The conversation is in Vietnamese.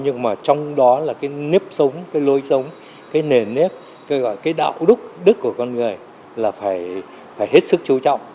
nhưng mà trong đó là cái nếp sống cái lối sống cái nền nếp cái đạo đức của con người là phải hết sức chú trọng